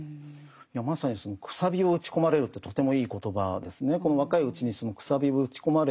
まさにその「楔を打ち込まれる」ってとてもいい言葉ですね。